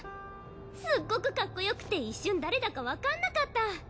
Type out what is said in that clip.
すっごくかっこよくて一瞬誰だかわかんなかった。